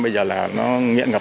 bây giờ là nó nghiện ngợp